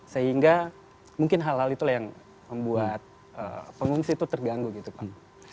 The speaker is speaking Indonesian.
sehingga mungkin hal hal itulah yang membuat pengungsi itu terganggu gitu pak